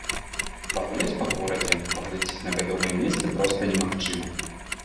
Пагуляць па горадзе, паглядзець на вядомыя месцы проста немагчыма.